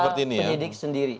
meminta penyidik sendiri